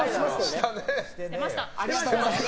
ありがとうございます。